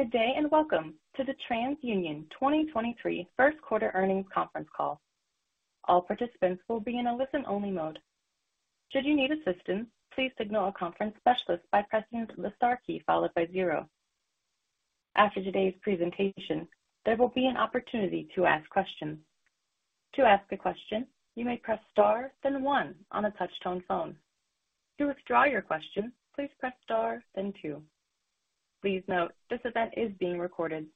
Good day, welcome to the TransUnion 2023 first quarter earnings conference call. All participants will be in a listen-only mode. Should you need assistance, please signal a conference specialist by pressing the star key followed by zero. After today's presentation, there will be an opportunity to ask questions. To ask a question, you may press star, then one on a touch-tone phone. To withdraw your question, please press star, then two. Please note this event is being recorded.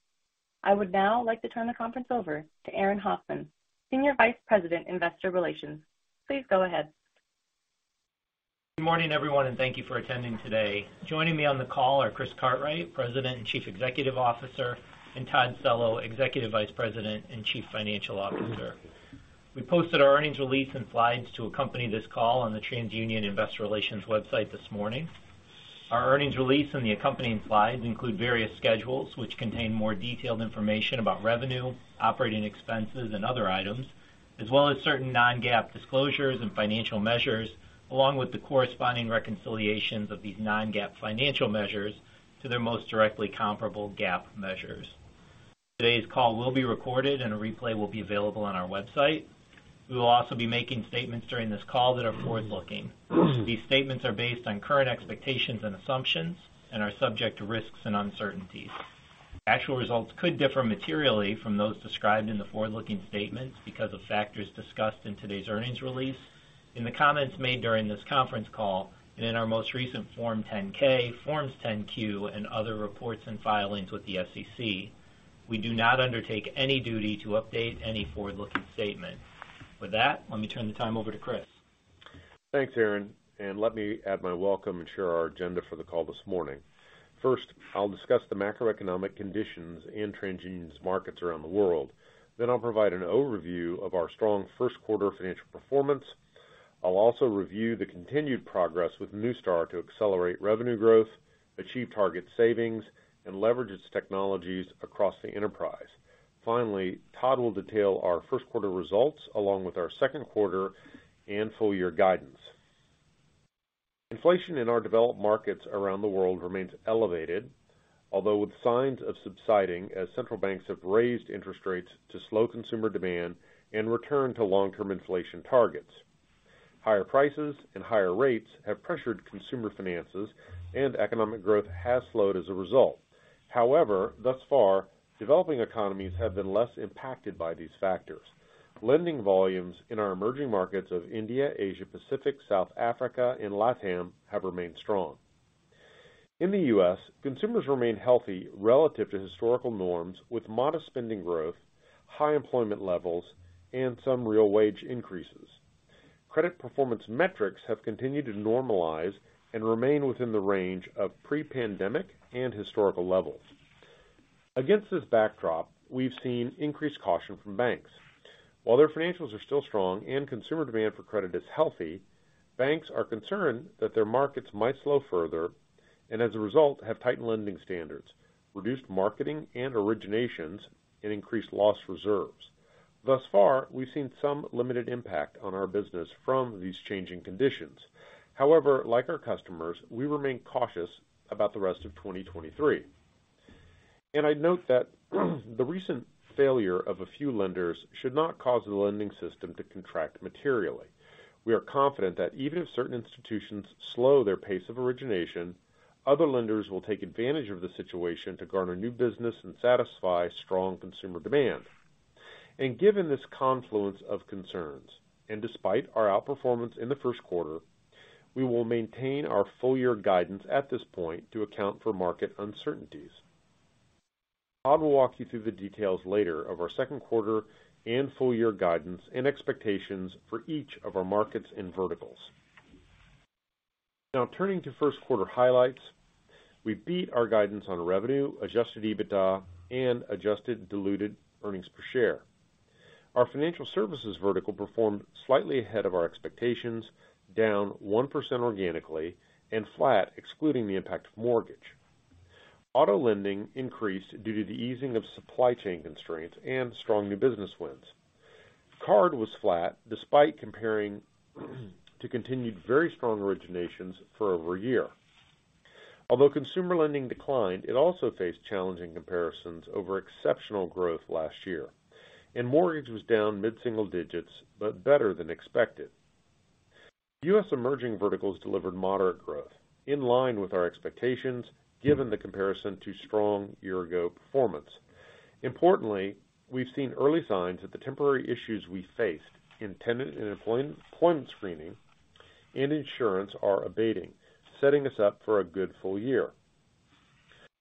I would now like to turn the conference over to Aaron Hoffman, Senior Vice President, Investor Relations. Please go ahead. Good morning, everyone, and thank you for attending today. Joining me on the call are Chris Cartwright, President and Chief Executive Officer, and Todd Cello, Executive Vice President and Chief Financial Officer. We posted our earnings release and slides to accompany this call on the TransUnion Investor Relations website this morning. Our earnings release and the accompanying slides include various schedules which contain more detailed information about revenue, operating expenses and other items, as well as certain non-GAAP disclosures and financial measures, along with the corresponding reconciliations of these non-GAAP financial measures to their most directly comparable GAAP measures. Today's call will be recorded and a replay will be available on our website. We will also be making statements during this call that are forward-looking. These statements are based on current expectations and assumptions and are subject to risks and uncertainties. Actual results could differ materially from those described in the forward-looking statements because of factors discussed in today's earnings release. In the comments made during this conference call and in our most recent Form 10-K, Form 10-Q, and other reports and filings with the SEC, we do not undertake any duty to update any forward-looking statement. With that, let me turn the time over to Chris. Thanks, Aaron. Let me add my welcome and share our agenda for the call this morning. First, I'll discuss the macroeconomic conditions in TransUnion's markets around the world. I'll provide an overview of our strong first quarter financial performance. I'll also review the continued progress with Neustar to accelerate revenue growth, achieve target savings, and leverage its technologies across the enterprise. Finally, Todd will detail our first quarter results along with our second quarter and full year guidance. Inflation in our developed markets around the world remains elevated, although with signs of subsiding as central banks have raised interest rates to slow consumer demand and return to long-term inflation targets. Higher prices and higher rates have pressured consumer finances and economic growth has slowed as a result. Thus far, developing economies have been less impacted by these factors. Lending volumes in our emerging markets of India, Asia, Pacific, South Africa and LATAM have remained strong. In the U.S., consumers remain healthy relative to historical norms, with modest spending growth, high employment levels and some real wage increases. Credit performance metrics have continued to normalize and remain within the range of pre-pandemic and historical levels. Against this backdrop, we've seen increased caution from banks. While their financials are still strong and consumer demand for credit is healthy, banks are concerned that their markets might slow further and as a result have tightened lending standards, reduced marketing and originations, and increased loss reserves. Thus far, we've seen some limited impact on our business from these changing conditions. However, like our customers, we remain cautious about the rest of 2023. I'd note that the recent failure of a few lenders should not cause the lending system to contract materially. We are confident that even if certain institutions slow their pace of origination, other lenders will take advantage of the situation to garner new business and satisfy strong consumer demand. Given this confluence of concerns, and despite our outperformance in the first quarter, we will maintain our full year guidance at this point to account for market uncertainties. Todd will walk you through the details later of our second quarter and full year guidance and expectations for each of our markets and verticals. Turning to first quarter highlights. We beat our guidance on revenue, Adjusted EBITDA and Adjusted Diluted Earnings Per Share. Our financial services vertical performed slightly ahead of our expectations, down 1% organically and flat excluding the impact of mortgage. Auto lending increased due to the easing of supply chain constraints and strong new business wins. Card was flat despite comparing to continued very strong originations for over a year. Although consumer lending declined, it also faced challenging comparisons over exceptional growth last year, and mortgage was down mid-single digits but better than expected. U.S. emerging verticals delivered moderate growth in line with our expectations given the comparison to strong year-ago performance. Importantly, we've seen early signs that the temporary issues we faced in tenant and employment screening and insurance are abating, setting us up for a good full year.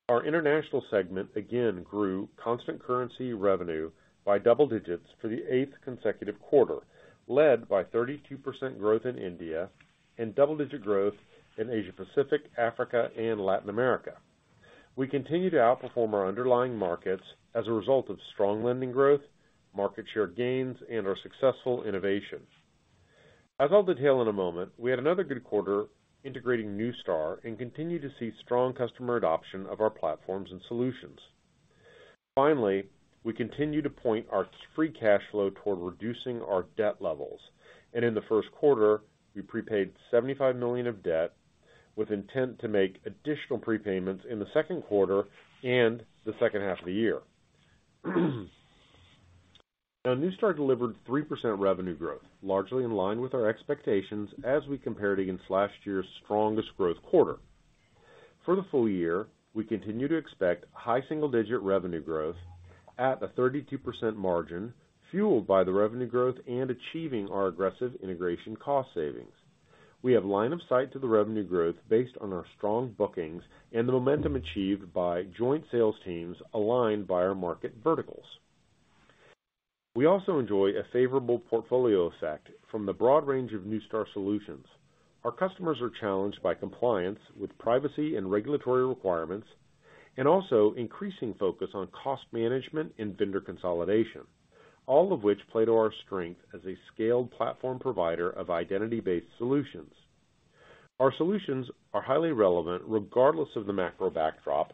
Our international segment again grew constant currency revenue by double digits for the eighth consecutive quarter, led by 32% growth in India and double-digit growth in Asia Pacific, Africa and Latin America. We continue to outperform our underlying markets as a result of strong lending growth, market share gains, and our successful innovations. As I'll detail in a moment, we had another good quarter integrating Neustar and continue to see strong customer adoption of our platforms and solutions. Finally, we continue to point our free cash flow toward reducing our debt levels. In the first quarter, we prepaid $75 million of debt with intent to make additional prepayments in the second quarter and the second half of the year. Neustar delivered 3% revenue growth, largely in line with our expectations as we compared against last year's strongest growth quarter. For the full year, we continue to expect high single-digit revenue growth at a 32% margin, fueled by the revenue growth and achieving our aggressive integration cost savings. We have line of sight to the revenue growth based on our strong bookings and the momentum achieved by joint sales teams aligned by our market verticals. We also enjoy a favorable portfolio effect from the broad range of Neustar solutions. Also increasing focus on cost management and vendor consolidation, all of which play to our strength as a scaled platform provider of identity-based solutions. Our solutions are highly relevant regardless of the macro backdrop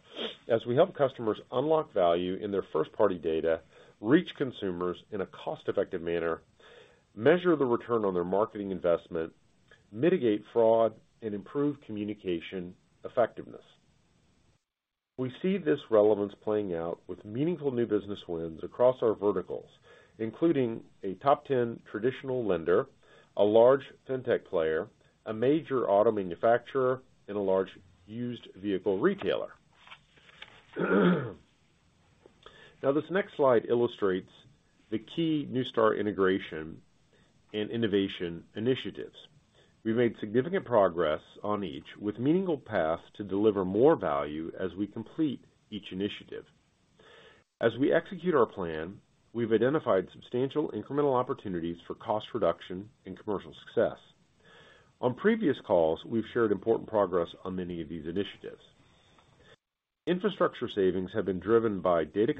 as we help customers unlock value in their first-party data, reach consumers in a cost-effective manner, measure the return on their marketing investment, mitigate fraud, and improve communication effectiveness. We see this relevance playing out with meaningful new business wins across our verticals, including a top 10 traditional lender, a large FinTech player, a major auto manufacturer, and a large used vehicle retailer. Now, this next slide illustrates the key Neustar integration and innovation initiatives. We've made significant progress on each with meaningful paths to deliver more value as we complete each initiative. As we execute our plan, we've identified substantial incremental opportunities for cost reduction and commercial success. On previous calls, we've shared important progress on many of these initiatives. Infrastructure savings have been driven by data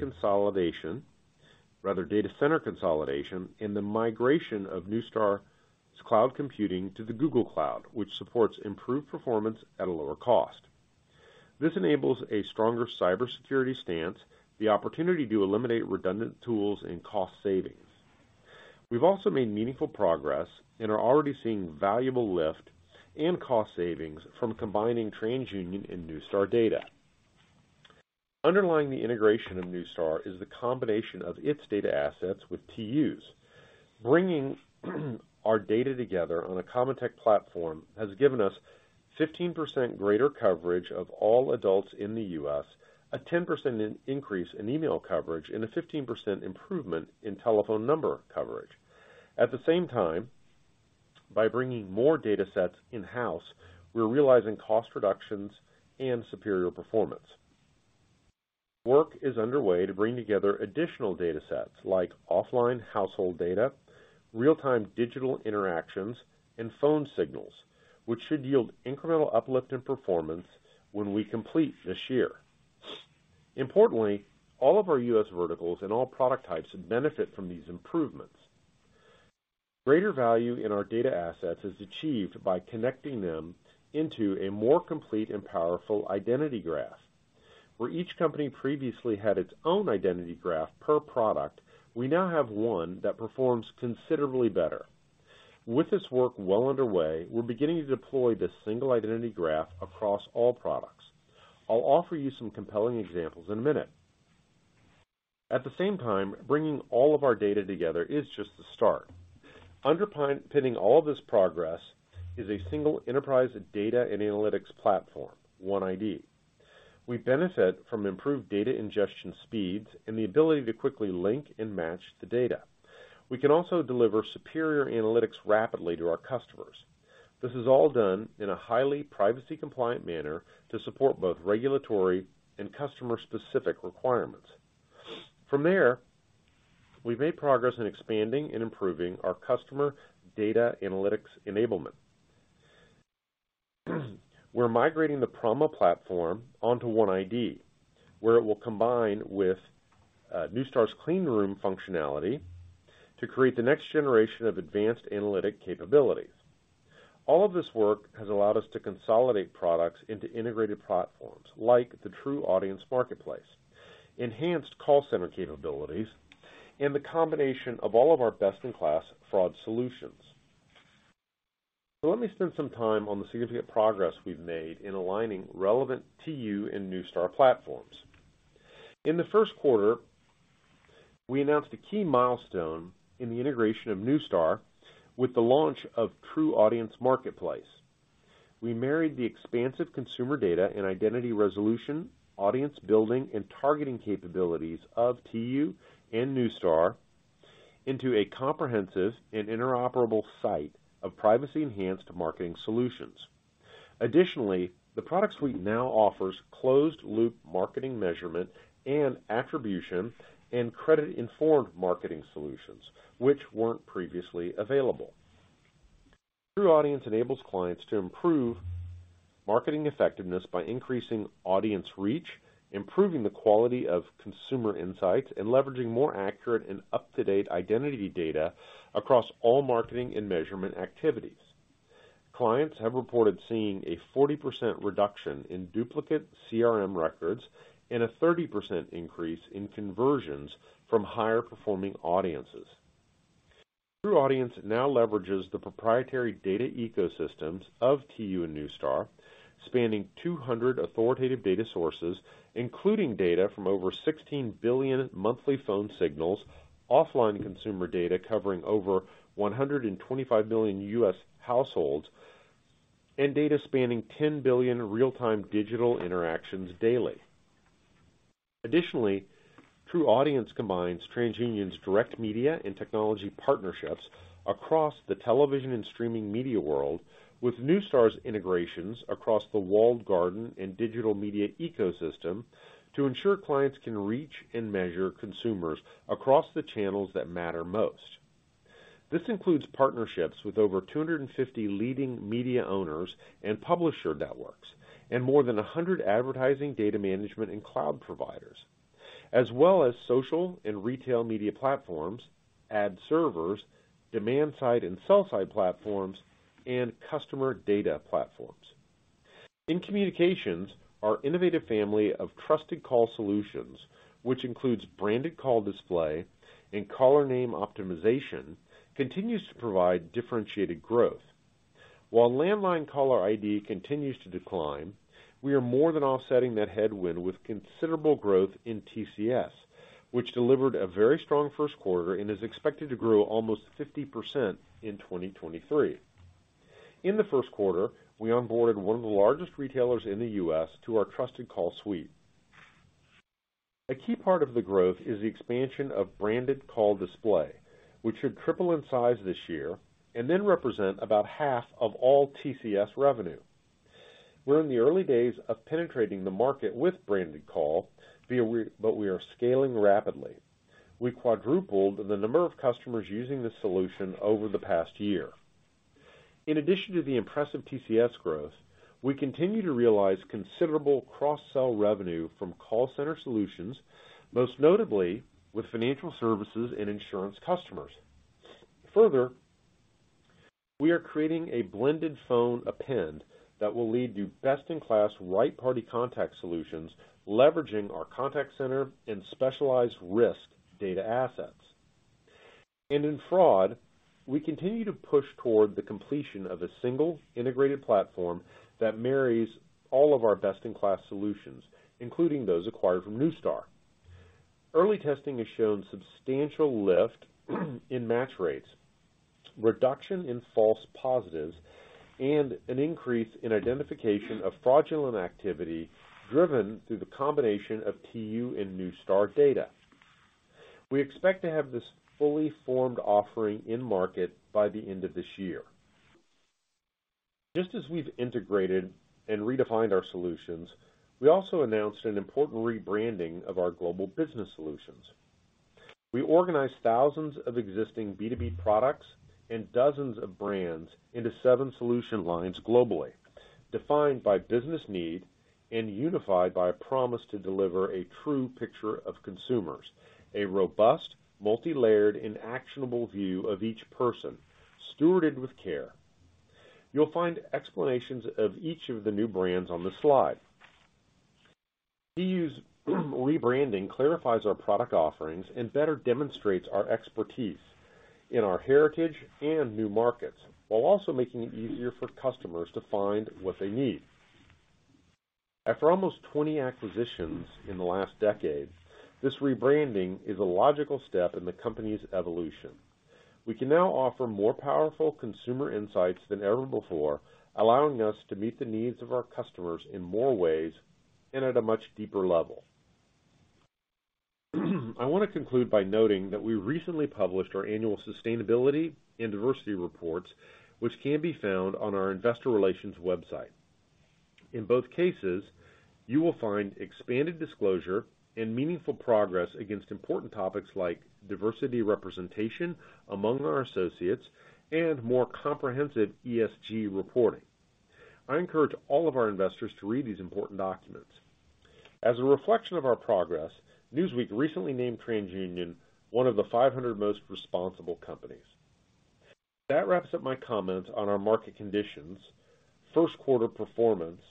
center consolidation in the migration of Neustar's cloud computing to the Google Cloud, which supports improved performance at a lower cost. This enables a stronger cybersecurity stance, the opportunity to eliminate redundant tools and cost savings. We've also made meaningful progress and are already seeing valuable lift and cost savings from combining TransUnion and Neustar data. Underlying the integration of Neustar is the combination of its data assets with TU's. Bringing our data together on a Comtech platform has given us 15% greater coverage of all adults in the U.S., a 10% in increase in email coverage, and a 15% improvement in telephone number coverage. At the same time, by bringing more datasets in-house, we're realizing cost reductions and superior performance. Work is underway to bring together additional datasets like offline household data, real-time digital interactions, and phone signals, which should yield incremental uplift in performance when we complete this year. Importantly, all of our U.S. verticals and all product types benefit from these improvements. Greater value in our data assets is achieved by connecting them into a more complete and powerful identity graph. Where each company previously had its own identity graph per product, we now have one that performs considerably better. With this work well underway, we're beginning to deploy this single identity graph across all products. I'll offer you some compelling examples in a minute. At the same time, bringing all of our data together is just the start. Underpinning all this progress is a single enterprise data and analytics platform, OneID. We benefit from improved data ingestion speeds and the ability to quickly link and match the data. We can also deliver superior analytics rapidly to our customers. This is all done in a highly privacy-compliant manner to support both regulatory and customer-specific requirements. From there, we've made progress in expanding and improving our customer data analytics enablement. We're migrating the Prama platform onto OneID, where it will combine with Neustar's clean room functionality to create the next generation of advanced analytic capabilities. All of this work has allowed us to consolidate products into integrated platforms like the TruAudience Marketplace, enhanced call center capabilities, and the combination of all of our best-in-class fraud solutions. Let me spend some time on the significant progress we've made in aligning relevant TU and Neustar platforms. In the first quarter, we announced a key milestone in the integration of Neustar with the launch of TruAudience Marketplace. We married the expansive consumer data and identity resolution, audience building, and targeting capabilities of TU and Neustar into a comprehensive and interoperable suite of privacy-enhanced marketing solutions. Additionally, the product suite now offers closed-loop marketing measurement and attribution and credit-informed marketing solutions which weren't previously available. TruAudience enables clients to improve marketing effectiveness by increasing audience reach, improving the quality of consumer insights, and leveraging more accurate and up-to-date identity data across all marketing and measurement activities. Clients have reported seeing a 40% reduction in duplicate CRM records and a 30% increase in conversions from higher-performing audiences. TruAudience now leverages the proprietary data ecosystems of TU and Neustar, spanning 200 authoritative data sources, including data from over 16 billion monthly phone signals, offline consumer data covering over 125 million U.S. households, and data spanning 10 billion real-time digital interactions daily. Additionally, TruAudience combines TransUnion's direct media and technology partnerships across the television and streaming media world with Neustar's integrations across the walled garden and digital media ecosystem to ensure clients can reach and measure consumers across the channels that matter most. This includes partnerships with over 250 leading media owners and publisher networks and more than 100 advertising data management and cloud providers, as well as social and retail media platforms, ad servers, demand side and sell side platforms, and customer data platforms. In communications, our innovative family of Trusted Call Solutions, which includes Branded Call Display and Caller Name Optimization, continues to provide differentiated growth. While landline caller ID continues to decline, we are more than offsetting that headwind with considerable growth in TCS, which delivered a very strong first quarter and is expected to grow almost 50% in 2023. In the first quarter, we onboarded one of the largest retailers in the U.S. to our trusted call suite. A key part of the growth is the expansion of Branded Call Display, which should triple in size this year and then represent about half of all TCS revenue. We're in the early days of penetrating the market with Branded Call but we are scaling rapidly. We quadrupled the number of customers using this solution over the past year. In addition to the impressive TCS growth, we continue to realize considerable cross-sell revenue from call center solutions, most notably with financial services and insurance customers. We are creating a blended phone append that will lead to best-in-class right party contact solutions leveraging our contact center and specialized risk data assets. In fraud, we continue to push toward the completion of a single integrated platform that marries all of our best-in-class solutions, including those acquired from Neustar. Early testing has shown substantial lift in match rates, reduction in false positives, and an increase in identification of fraudulent activity driven through the combination of TU and Neustar data. We expect to have this fully formed offering in market by the end of this year. Just as we've integrated and redefined our solutions, we also announced an important rebranding of our global business solutions. We organized thousands of existing B2B products and dozens of brands into seven solution lines globally, defined by business need and unified by a promise to deliver a true picture of consumers, a robust, multilayered, and actionable view of each person stewarded with care. You'll find explanations of each of the new brands on this slide. TU's rebranding clarifies our product offerings and better demonstrates our expertise in our heritage and new markets while also making it easier for customers to find what they need. After almost 20 acquisitions in the last decade, this rebranding is a logical step in the company's evolution. We can now offer more powerful consumer insights than ever before, allowing us to meet the needs of our customers in more ways and at a much deeper level. I wanna conclude by noting that we recently published our annual sustainability and diversity reports, which can be found on our investor relations website. In both cases, you will find expanded disclosure and meaningful progress against important topics like diversity representation among our associates and more comprehensive ESG reporting. I encourage all of our investors to read these important documents. As a reflection of our progress, Newsweek recently named TransUnion one of the 500 most responsible companies. That wraps up my comments on our market conditions, first quarter performance,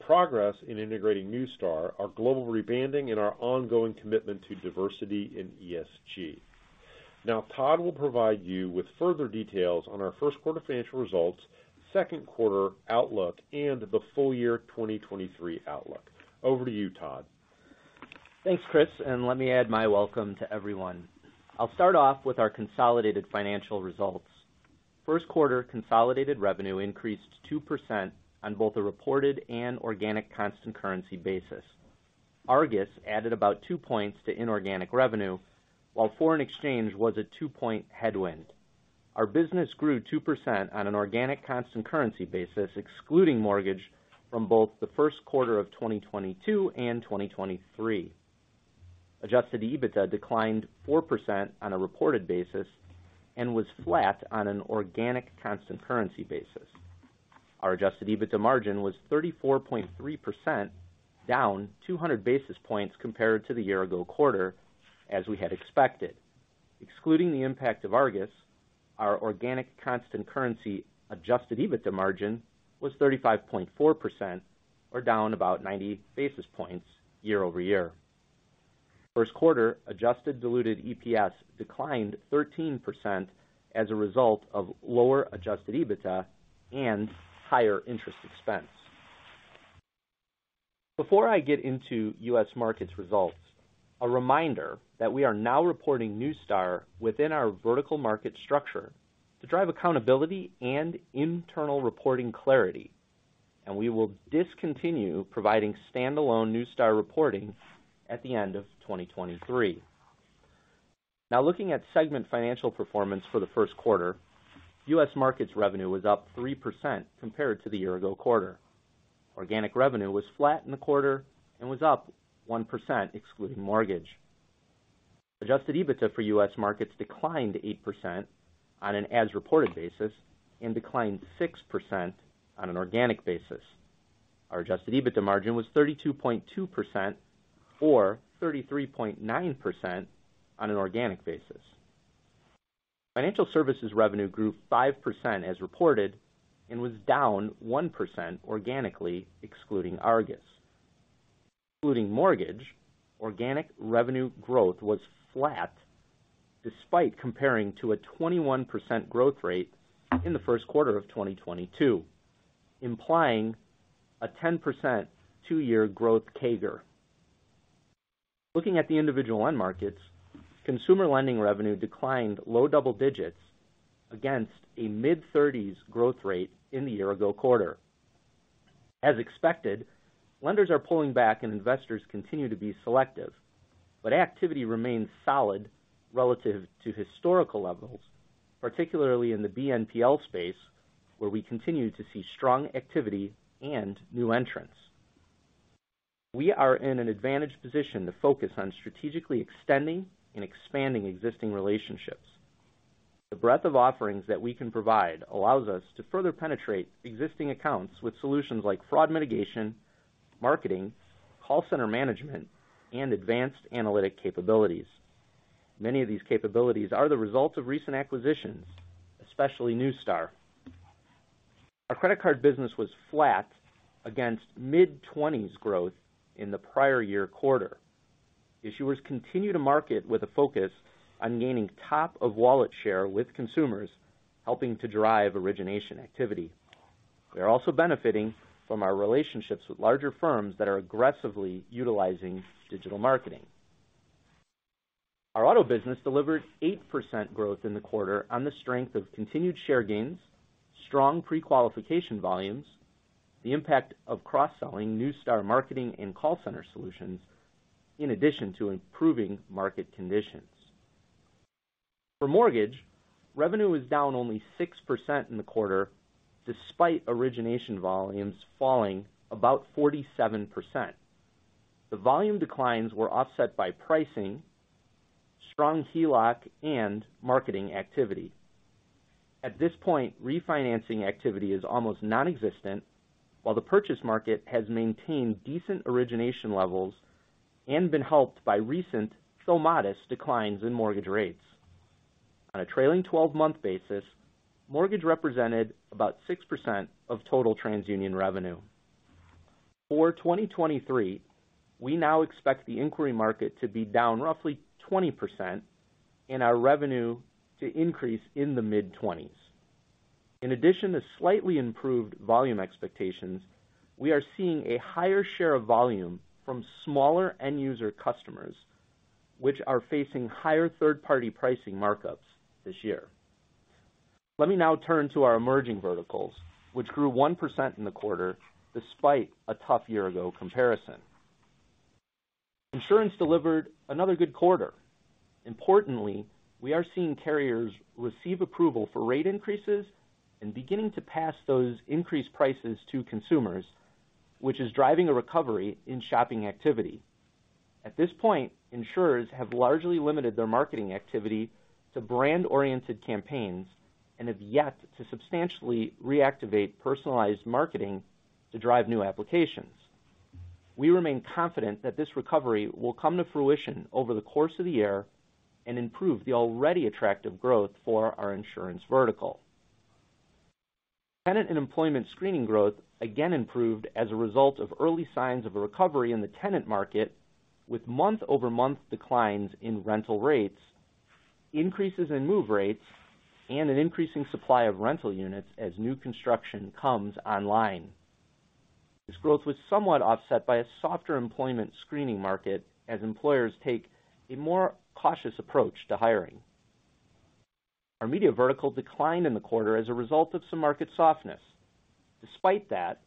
progress in integrating Neustar, our global rebranding, and our ongoing commitment to diversity in ESG. Todd will provide you with further details on our first quarter financial results, second quarter outlook, and the full year 2023 outlook. Over to you, Todd. Thanks, Chris, and let me add my welcome to everyone. I'll start off with our consolidated financial results. First quarter consolidated revenue increased 2% on both a reported and organic constant currency basis. Argus added about 2 points to inorganic revenue while foreign exchange was a 2-point headwind. Our business grew 2% on an organic constant currency basis, excluding mortgage from both the first quarter of 2022 and 2023. Adjusted EBITDA declined 4% on a reported basis and was flat on an organic constant currency basis. Our Adjusted EBITDA margin was 34.3% down 200 basis points compared to the year-ago quarter as we had expected. Excluding the impact of Argus, our organic constant currency Adjusted EBITDA margin was 35.4% or down about 90 basis points year-over-year. First quarter Adjusted Diluted EPS declined 13% as a result of lower Adjusted EBITDA and higher interest expense. Before I get into U.S. Markets results, a reminder that we are now reporting Neustar within our vertical market structure to drive accountability and internal reporting clarity. We will discontinue providing standalone Neustar reporting at the end of 2023. Now looking at segment financial performance for the first quarter, U.S. Markets revenue was up 3% compared to the year ago quarter. Organic revenue was flat in the quarter and was up 1% excluding mortgage. Adjusted EBITDA for U.S. Markets declined 8% on an as-reported basis and declined 6% on an organic basis. Our Adjusted EBITDA margin was 32.2% or 33.9% on an organic basis. Financial services revenue grew 5% as reported and was down 1% organically excluding Argus. Excluding mortgage, organic revenue growth was flat despite comparing to a 21% growth rate in the first quarter of 2022, implying a 10% two-year growth CAGR. Looking at the individual end markets, consumer lending revenue declined low double digits against a mid-30s growth rate in the year ago quarter. As expected, lenders are pulling back and investors continue to be selective, but activity remains solid relative to historical levels, particularly in the BNPL space, where we continue to see strong activity and new entrants. We are in an advantaged position to focus on strategically extending and expanding existing relationships. The breadth of offerings that we can provide allows us to further penetrate existing accounts with solutions like fraud mitigation, marketing, call center management, and advanced analytic capabilities. Many of these capabilities are the result of recent acquisitions, especially Neustar. Our credit card business was flat against mid-20s growth in the prior-year quarter. Issuers continue to market with a focus on gaining top of wallet share with consumers, helping to drive origination activity. We are also benefiting from our relationships with larger firms that are aggressively utilizing digital marketing. Our auto business delivered 8% growth in the quarter on the strength of continued share gains, strong pre-qualification volumes, the impact of cross-selling Neustar marketing and call center solutions, in addition to improving market conditions. For mortgage, revenue was down only 6% in the quarter despite origination volumes falling about 47%. The volume declines were offset by pricing, strong HELOC, and marketing activity. At this point, refinancing activity is almost non-existent, while the purchase market has maintained decent origination levels and been helped by recent, though modest, declines in mortgage rates. On a trailing 12-month basis, mortgage represented about 6% of total TransUnion revenue. For 2023, we now expect the inquiry market to be down roughly 20% and our revenue to increase in the mid-20s. In addition to slightly improved volume expectations, we are seeing a higher share of volume from smaller end-user customers, which are facing higher third-party pricing markups this year. Let me now turn to our emerging verticals, which grew 1% in the quarter despite a tough year-ago comparison. Insurance delivered another good quarter. Importantly, we are seeing carriers receive approval for rate increases and beginning to pass those increased prices to consumers, which is driving a recovery in shopping activity. At this point, insurers have largely limited their marketing activity to brand-oriented campaigns and have yet to substantially reactivate personalized marketing to drive new applications. We remain confident that this recovery will come to fruition over the course of the year and improve the already attractive growth for our insurance vertical. Tenant and employment screening growth again improved as a result of early signs of a recovery in the tenant market, with month-over-month declines in rental rates, increases in move rates, and an increasing supply of rental units as new construction comes online. This growth was somewhat offset by a softer employment screening market as employers take a more cautious approach to hiring. Our media vertical declined in the quarter as a result of some market softness. Despite that,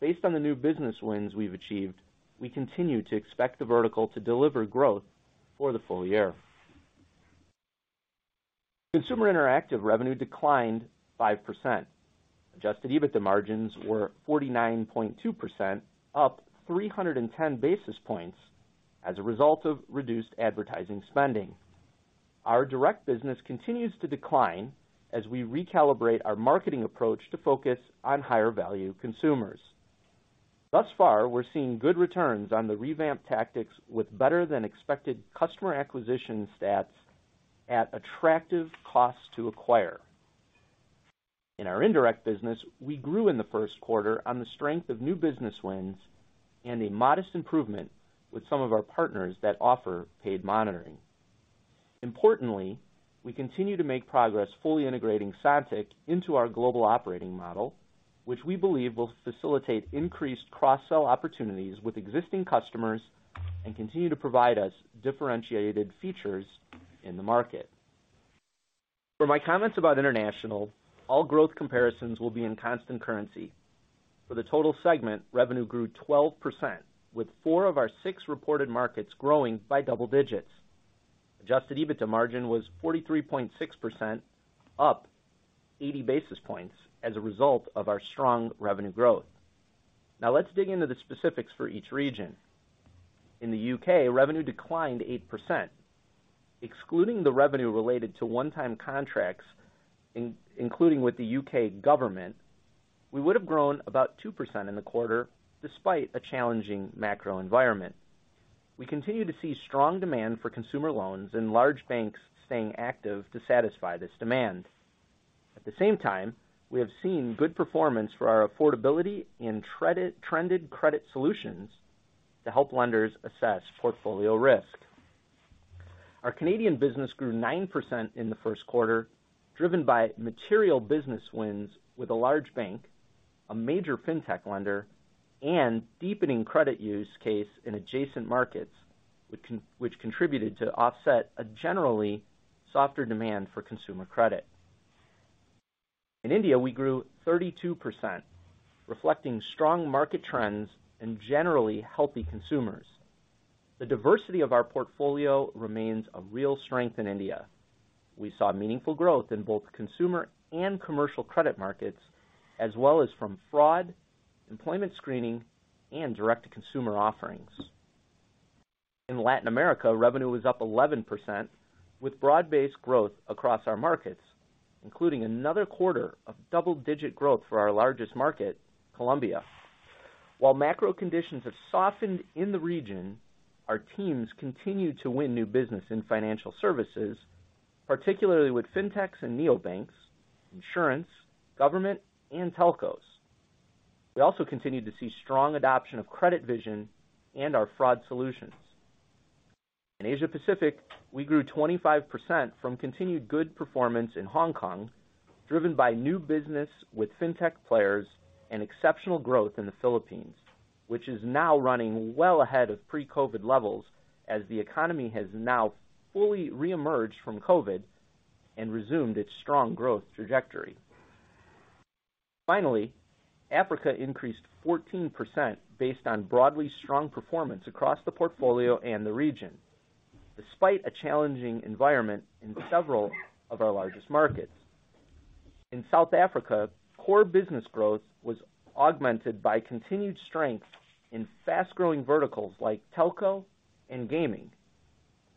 based on the new business wins we've achieved, we continue to expect the vertical to deliver growth for the full year. Consumer Interactive revenue declined 5%. Adjusted EBITDA margins were 49.2%, up 310 basis points as a result of reduced advertising spending. Our direct business continues to decline as we recalibrate our marketing approach to focus on higher value consumers. Thus far, we're seeing good returns on the revamped tactics with better than expected customer acquisition stats at attractive costs to acquire. In our indirect business, we grew in the first quarter on the strength of new business wins and a modest improvement with some of our partners that offer paid monitoring. Importantly, we continue to make progress fully integrating Sontiq into our global operating model, which we believe will facilitate increased cross-sell opportunities with existing customers and continue to provide us differentiated features in the market. For my comments about international, all growth comparisons will be in constant currency. For the total segment, revenue grew 12%, with four of our six reported markets growing by double digits. Adjusted EBITDA margin was 43.6%, up 80 basis points as a result of our strong revenue growth. Let's dig into the specifics for each region. In the U.K., revenue declined 8%. Excluding the revenue related to one-time contracts, including with the U.K. government, we would have grown about 2% in the quarter despite a challenging macro environment. We continue to see strong demand for consumer loans and large banks staying active to satisfy this demand. At the same time, we have seen good performance for our affordability and trended credit solutions to help lenders assess portfolio risk. Our Canadian business grew 9% in the first quarter, driven by material business wins with a large bank, a major FinTech lender, and deepening credit use case in adjacent markets, which contributed to offset a generally softer demand for consumer credit. In India, we grew 32%, reflecting strong market trends and generally healthy consumers. The diversity of our portfolio remains a real strength in India. We saw meaningful growth in both consumer and commercial credit markets, as well as from fraud, employment screening, and direct-to-consumer offerings. In Latin America, revenue was up 11%, with broad-based growth across our markets, including another quarter of double-digit growth for our largest market, Colombia. While macro conditions have softened in the region, our teams continued to win new business in financial services, particularly with FinTechs and neobanks, insurance, government, and telcos. We also continued to see strong adoption of CreditVision and our fraud solutions. In Asia Pacific, we grew 25% from continued good performance in Hong Kong, driven by new business with FinTech players and exceptional growth in the Philippines, which is now running well ahead of pre-COVID levels as the economy has now fully reemerged from COVID and resumed its strong growth trajectory. Africa increased 14% based on broadly strong performance across the portfolio and the region, despite a challenging environment in several of our largest markets. In South Africa, core business growth was augmented by continued strength in fast-growing verticals like telco and gaming.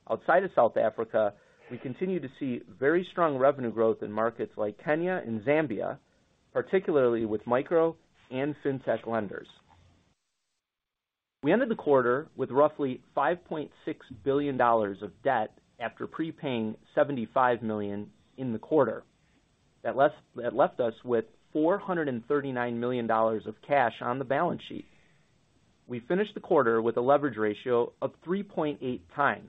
Outside of South Africa, we continue to see very strong revenue growth in markets like Kenya and Zambia, particularly with micro and FinTech lenders. We ended the quarter with roughly $5.6 billion of debt after prepaying $75 million in the quarter. That left us with $439 million of cash on the balance sheet. We finished the quarter with a leverage ratio of 3.8x.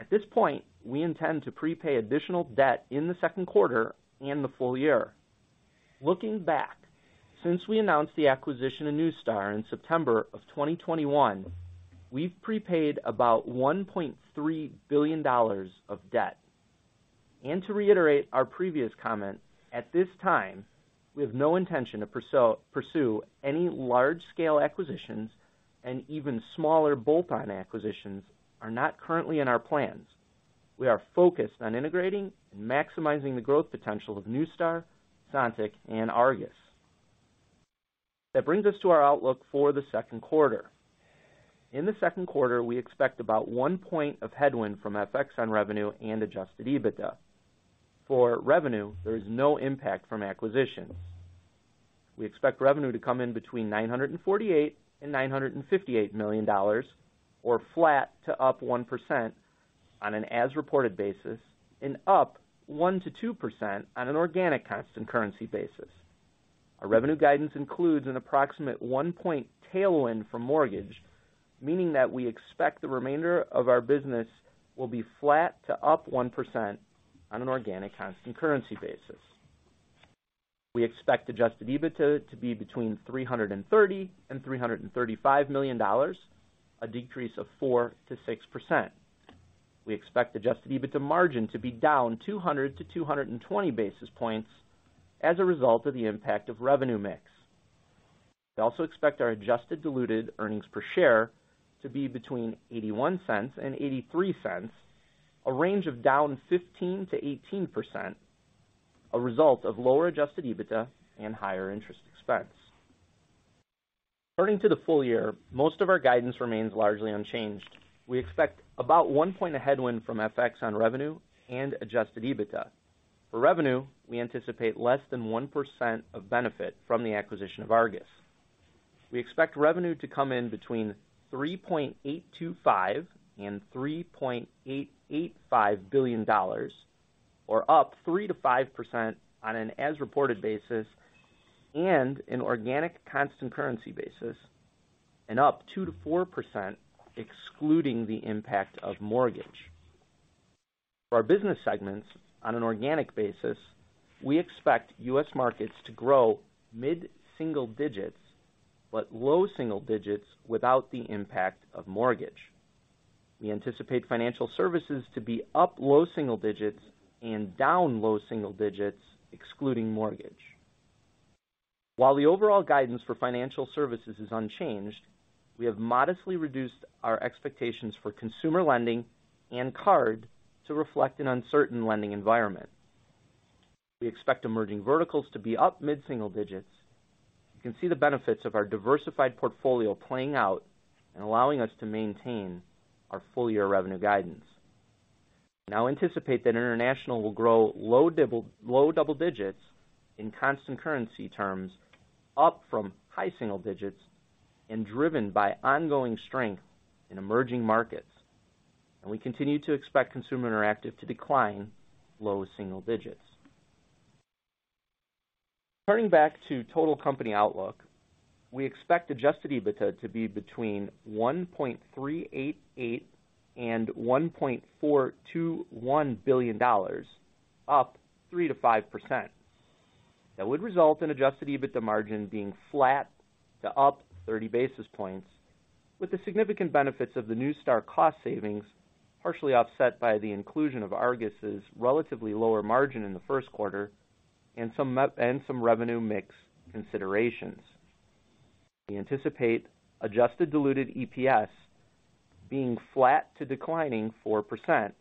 At this point, we intend to prepay additional debt in the second quarter and the full year. Looking back, since we announced the acquisition of Neustar in September 2021, we've prepaid about $1.3 billion of debt. To reiterate our previous comment, at this time, we have no intention to pursue any large-scale acquisitions, and even smaller bolt-on acquisitions are not currently in our plans. We are focused on integrating and maximizing the growth potential of Neustar, Sontiq, and Argus. That brings us to our outlook for the second quarter. In the second quarter, we expect about 1 point of headwind from FX on revenue and Adjusted EBITDA. For revenue, there is no impact from acquisitions. We expect revenue to come in between $948 million and $958 million, or flat to up 1% on an as-reported basis and up 1%-2% on an organic constant currency basis. Our revenue guidance includes an approximate 1 point tailwind for mortgage, meaning that we expect the remainder of our business will be flat to up 1% on an organic constant currency basis. We expect Adjusted EBITDA to be between $330 million and $335 million, a decrease of 4%-6%. We expect Adjusted EBITDA margin to be down 200-220 basis points as a result of the impact of revenue mix. We also expect our Adjusted Diluted EPS to be between $0.81 and $0.83, a range of down 15%-18%, a result of lower Adjusted EBITDA and higher interest expense. Turning to the full year, most of our guidance remains largely unchanged. We expect about 1 point of headwind from FX on revenue and Adjusted EBITDA. For revenue, we anticipate less than 1% of benefit from the acquisition of Argus. We expect revenue to come in between $3.825 billion and $3.885 billion, or up 3%-5% on an as-reported basis and an organic constant currency basis, and up 2%-4% excluding the impact of mortgage. For our business segments on an organic basis, we expect U.S. markets to grow mid-single digits, but low single digits without the impact of mortgage. We anticipate financial services to be up low single digits and down low single digits excluding mortgage. While the overall guidance for financial services is unchanged, we have modestly reduced our expectations for consumer lending and card to reflect an uncertain lending environment. We expect emerging verticals to be up mid-single digits. You can see the benefits of our diversified portfolio playing out and allowing us to maintain our full-year revenue guidance. Anticipate that international will grow low double digits in constant currency terms, up from high single digits and driven by ongoing strength in emerging markets. We continue to expect Consumer Interactive to decline low single digits. Turning back to total company outlook, we expect Adjusted EBITDA to be between $1.388 billion and $1.421 billion, up 3%-5%. That would result in Adjusted EBITDA margin being flat to up 30 basis points, with the significant benefits of the Neustar cost savings partially offset by the inclusion of Argus' relatively lower margin in the first quarter and some revenue mix considerations. We anticipate Adjusted Diluted EPS being flat to declining 4%,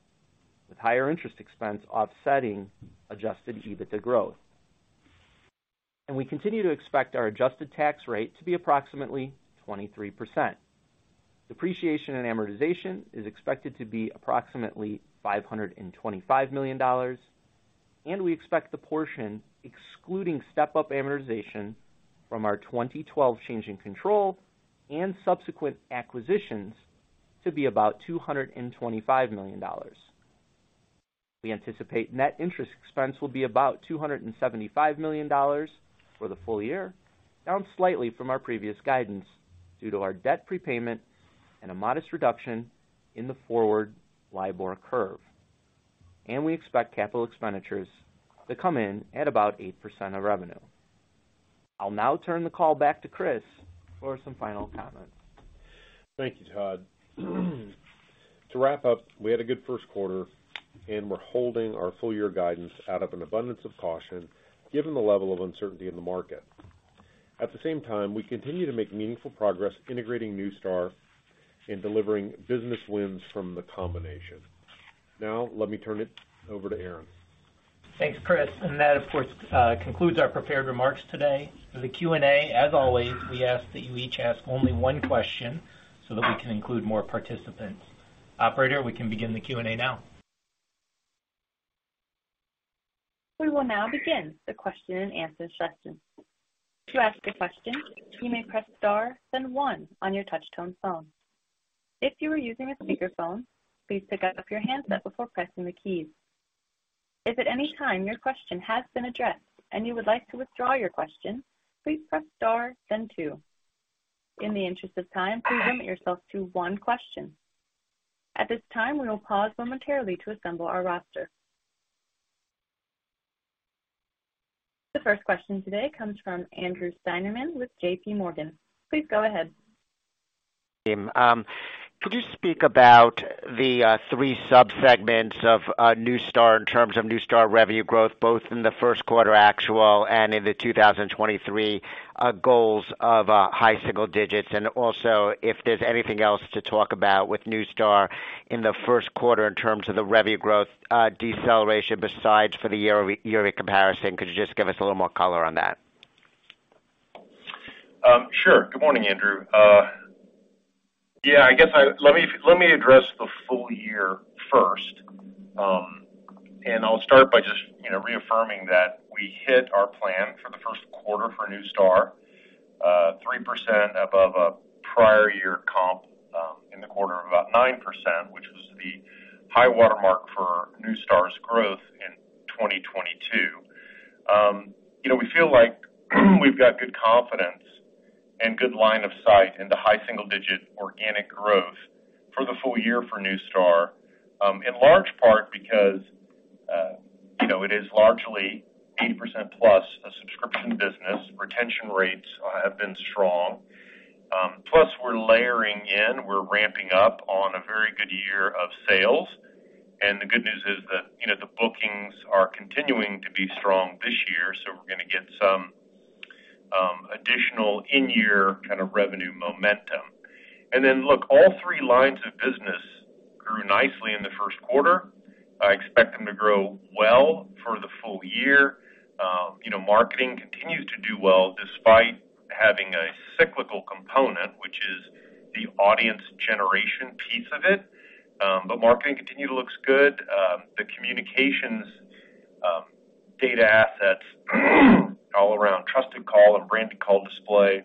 with higher interest expense offsetting Adjusted EBITDA growth. We continue to expect our adjusted tax rate to be approximately 23%. Depreciation and amortization is expected to be approximately $525 million, and we expect the portion excluding step-up amortization from our 2012 change in control and subsequent acquisitions to be about $225 million. We anticipate net interest expense will be about $275 million for the full year, down slightly from our previous guidance due to our debt prepayment and a modest reduction in the forward LIBOR curve. We expect capital expenditures to come in at about 8% of revenue. I'll now turn the call back to Chris for some final comments. Thank you, Todd. To wrap up, we had a good first quarter, and we're holding our full year guidance out of an abundance of caution given the level of uncertainty in the market. At the same time, we continue to make meaningful progress integrating Neustar and delivering business wins from the combination. Now let me turn it over to Aaron. Thanks, Chris. That, of course, concludes our prepared remarks today. For the Q&A, as always, we ask that you each ask only one question so that we can include more participants. Operator, we can begin the Q&A now. We will now begin the question and answer session. To ask a question, you may press star, then one on your touch-tone phone. If you are using a speakerphone, please pick up your handset before pressing the keys. If at any time your question has been addressed and you would like to withdraw your question, please press star then two. In the interest of time, please limit yourself to one question. At this time, we will pause momentarily to assemble our roster. The first question today comes from Andrew Steinerman with JPMorgan. Please go ahead. Could you speak about the three sub-segments of Neustar in terms of Neustar revenue growth, both in the first quarter actual and in the 2023 goals of high single digits? Also if there's anything else to talk about with Neustar in the first quarter in terms of the revenue growth deceleration besides for the year-over-year comparison. Could you just give us a little more color on that? Sure. Good morning, Andrew. Yeah, I guess let me address the full year first. I'll start by just, you know, reaffirming that we hit our plan for the first quarter for Neustar, 3% above a prior year comp in the quarter of about 9%, which was the high watermark for Neustar's growth in 2022. You know, we feel like we've got good confidence and good line of sight into high single digit organic growth for the full year for Neustar, in large part because, you know, it is largely 80% plus a subscription business. Retention rates have been strong. Plus we're layering in, we're ramping up on a very good year of sales. The good news is that, you know, the bookings are continuing to be strong this year, so we're gonna get some additional in-year kind of revenue momentum. Look, all three lines of business grew nicely in the first quarter. I expect them to grow well for the full year. You know, marketing continues to do well despite having a cyclical component. The audience generation piece of it. But marketing continue to looks good. The communications data assets all around Trusted Call and Branded Call Display.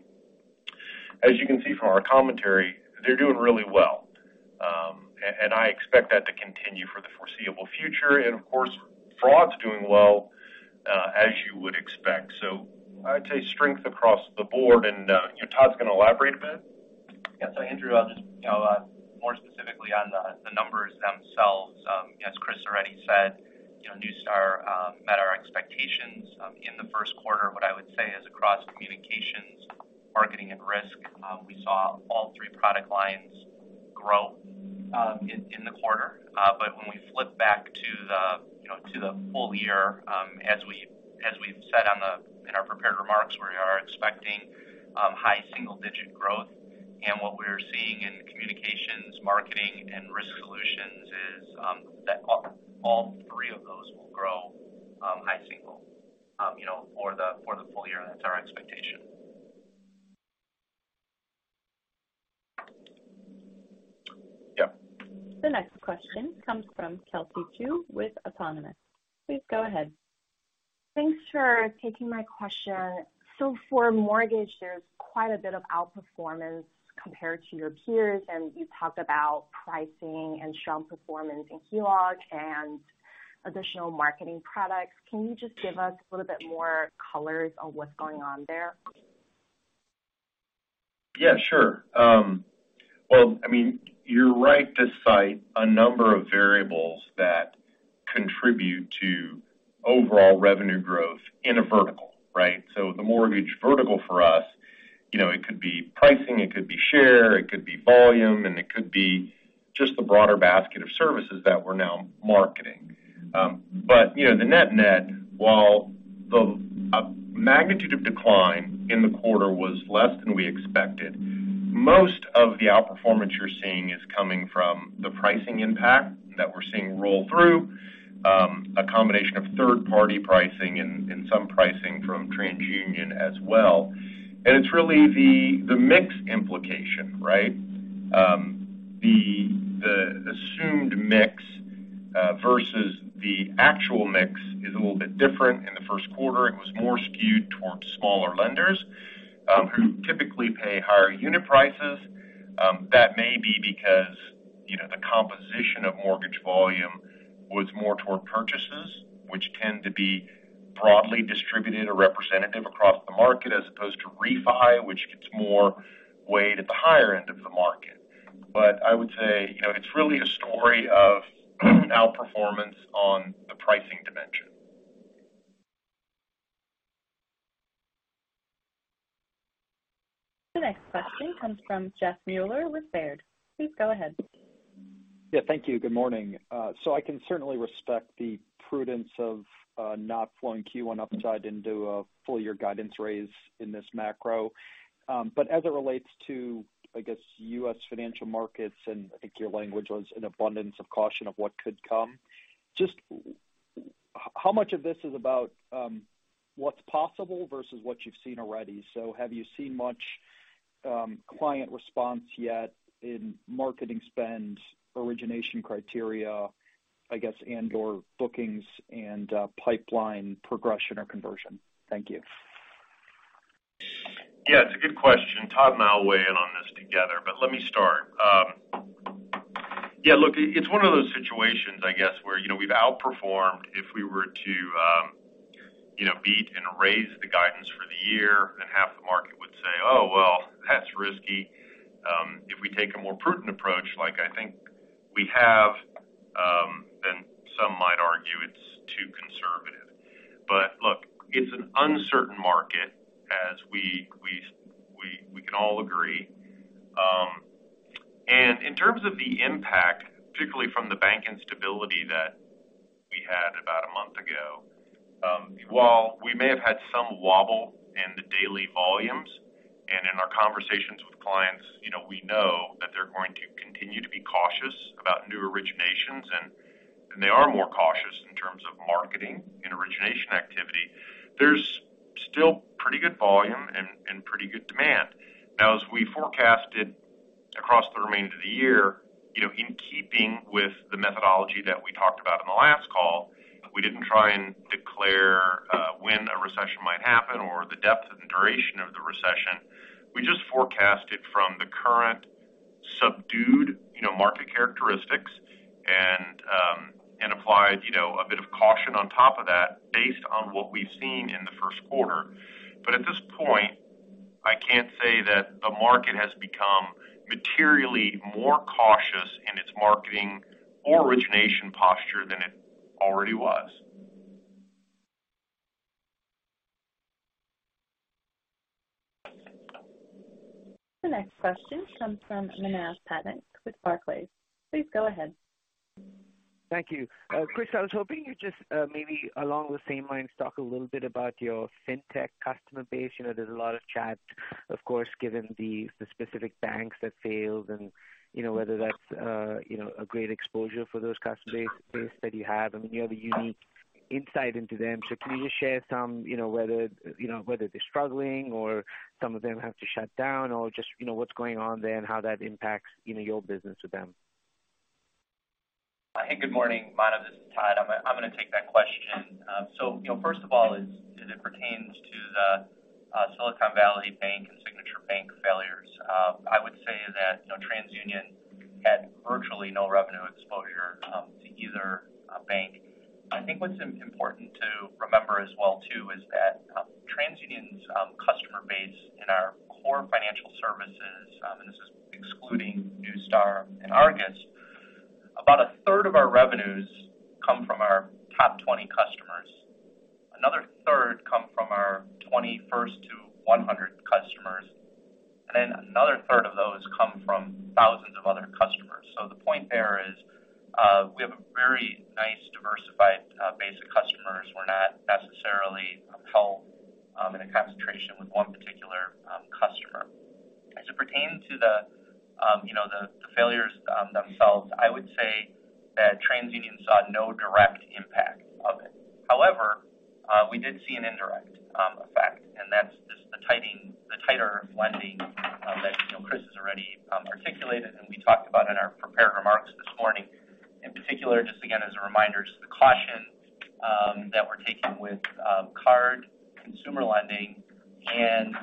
As you can see from our commentary, they're doing really well. And I expect that to continue for the foreseeable future. Of course, fraud's doing well, as you would expect. I would say strength across the board and, you know, Todd's gonna elaborate a bit. Yeah. Andrew, I'll just, you know, more specifically on the numbers themselves. As Chris already said, you know, Neustar met our expectations in the first quarter. What I would say is across communications, marketing, and risk, we saw all three product lines grow in the quarter. When we flip back to the, you know, to the full year, as we've said in our prepared remarks, we are expecting high single-digit growth. What we're seeing in the communications, marketing, and risk solutions is that all three of those will grow high single, you know, for the full year. That's our expectation. Yeah. The next question comes from Kelsey Zhu with Autonomous. Please go ahead. Thanks for taking my question. For mortgage, there's quite a bit of outperformance compared to your peers, and you talked about pricing and strong performance in HELOC and additional marketing products. Can you just give us a little bit more colors on what's going on there? Yeah, sure. Well, I mean, you're right to cite a number of variables that contribute to overall revenue growth in a vertical, right? The mortgage vertical for us, you know, it could be pricing, it could be share, it could be volume, and it could be just the broader basket of services that we're now marketing. You know, the net-net, while the magnitude of decline in the quarter was less than we expected, most of the outperformance you're seeing is coming from the pricing impact that we're seeing roll through, a combination of third party pricing and some pricing from TransUnion as well. It's really the mix implication, right? The assumed mix versus the actual mix is a little bit different. In the first quarter, it was more skewed towards smaller lenders, who typically pay higher unit prices. That may be because, you know, the composition of mortgage volume was more toward purchases, which tend to be broadly distributed or representative across the market, as opposed to refi, which gets more weight at the higher end of the market. I would say, you know, it's really a story of outperformance on the pricing dimension. The next question comes from Jeffrey Meuler with Baird. Please go ahead. Yeah, thank you. Good morning. I can certainly respect the prudence of not flowing Q1 upside into a full year guidance raise in this macro. As it relates to, I guess, U.S. financial markets, and I think your language was an abundance of caution of what could come, just how much of this is about what's possible versus what you've seen already? Have you seen much client response yet in marketing spend, origination criteria, I guess, and/or bookings and pipeline progression or conversion? Thank you. Yeah, it's a good question. Todd and I will weigh in on this together. Let me start. Yeah, look, it's one of those situations, I guess, where, you know, we've outperformed if we were to, you know, beat and raise the guidance for the year. Half the market would say, "Oh, well, that's risky." If we take a more prudent approach, like I think we have, some might argue it's too conservative. Look, it's an uncertain market as we can all agree. In terms of the impact, particularly from the bank instability that we had about a month ago, while we may have had some wobble in the daily volumes and in our conversations with clients, you know, we know that they're going to continue to be cautious about new originations, and they are more cautious in terms of marketing and origination activity. There's still pretty good volume and pretty good demand. As we forecasted across the remainder of the year, you know, in keeping with the methodology that we talked about in the last call, we didn't try and declare when a recession might happen or the depth and duration of the recession. We just forecasted from the current subdued, you know, market characteristics and applied, you know, a bit of caution on top of that based on what we've seen in the first quarter. At this point, I can't say that the market has become materially more cautious in its marketing or origination posture than it already was. The next question comes from Manav Patnaik with Barclays. Please go ahead. Thank you. Chris, I was hoping you'd just maybe along the same lines, talk a little bit about your FinTech customer base. You know, there's a lot of chat, of course, given the specific banks that failed and, you know, whether that's, you know, a great exposure for those customer base that you have. I mean, you have a unique insight into them. Can you just share some, you know, whether, you know, whether they're struggling or some of them have to shut down or just, you know, what's going on there and how that impacts, you know, your business with them? Hey, good morning. Manav, this is Todd. I'm gonna take that question. You know, first of all is, as it pertains to the Silicon Valley Bank and Signature Bank failures, I would say that, you know, TransUnion had virtually no revenue exposure to either bank. I think what's important to remember as well too is that TransUnion's customer base in our core financial services, and this is excluding Neustar and Argus. About a third of our revenues come from our top 20 customers. Another third come from our 21st to 100 customers. Another third of those come from thousands of other customers. The point there is, we have a very nice diversified base of customers. We're not necessarily held in a concentration with one particular customer. As it pertains to the, you know, the failures themselves, I would say that TransUnion saw no direct impact of it. We did see an indirect effect, and that's just the tighter lending that, you know, Chris has already articulated and we talked about in our prepared remarks this morning. In particular, just again as a reminder, just the caution that we're taking with card consumer lending and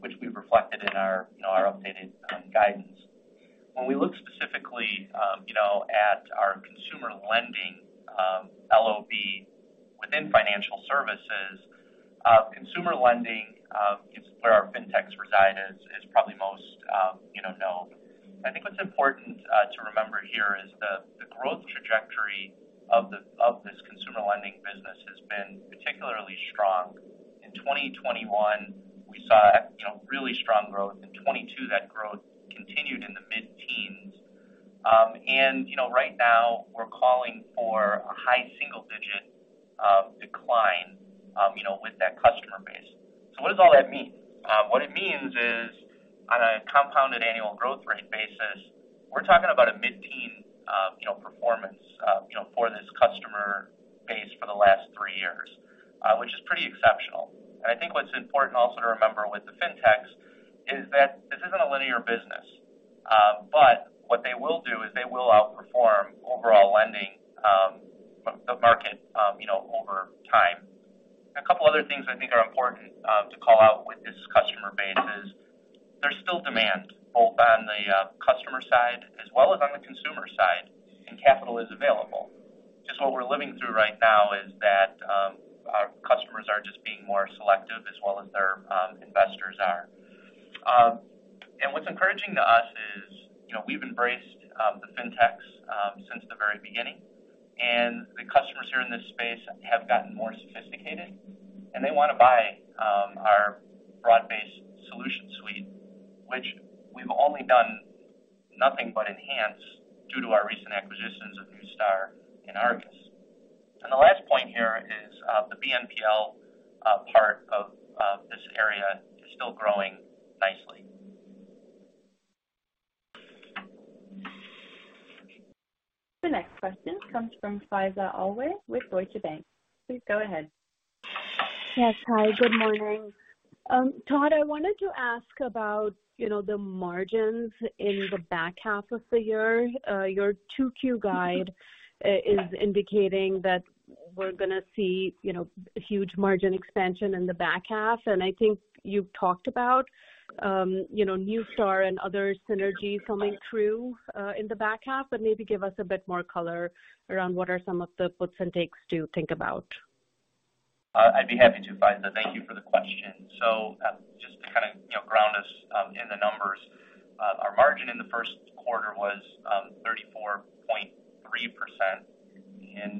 which we reflected in our, you know, our updated guidance. When we look specifically, you know, at our consumer lending LOV within financial services, consumer lending is where our FinTechs reside, is probably most, you know, known. I think what's important to remember here is the growth trajectory of this consumer lending business has been particularly strong. In 2021, we saw, you know, really strong growth. In 2022 that growth continued in the mid-teens. And you know, right now we're calling for a high single digit decline, you know, with that customer base. What does all that mean? What it means is on a compounded annual growth rate basis, we're talking about a mid-teen, you know, performance, you know, for this customer base for the last three years, which is pretty exceptional. I think what's important also to remember with the FinTechs is that this isn't a linear business. What they will do is they will outperform overall lending, the market, you know, over time. A couple other things I think are important, to call out with this customer base is there's still demand both on the customer side as well as on the consumer side, and capital is available. Just what we're living through right now is that, our customers are just being more selective as well as their investors are. What's encouraging to us is, you know, we've embraced the FinTechs since the very beginning. The customers who are in this space have gotten more sophisticated, and they wanna buy our broad-based solution suite, which we've only done nothing but enhance due to our recent acquisitions of Neustar and Argus. The last point here is the BNPL part of this area is still growing nicely. The next question comes from Faiza Alwy with Deutsche Bank. Please go ahead. Yes. Hi, good morning. Todd, I wanted to ask about, you know, the margins in the back half of the year. Your 2Q guide is indicating that we're gonna see, you know, huge margin expansion in the back half, and I think you've talked about, you know, Neustar and other synergies coming through in the back half. Maybe give us a bit more color around what are some of the puts and takes to think about. I'd be happy to, Faiza. Thank you for the question. Just to kinda, you know, ground us in the numbers, our margin in the first quarter was 34.3%.